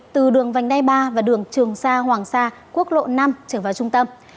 từ đường vành đai ba và đường trường sa hoàng sa quốc lộ năm trở vào trung tâm